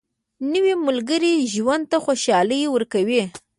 نوې ملګرې ژوند ته خوشالي ورکوي